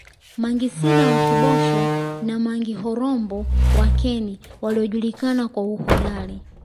Mangi Sina wa Kibosho na Mangi Horombo wa Keni waliojulikana kwa uhodari